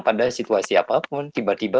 pada situasi apapun tiba tiba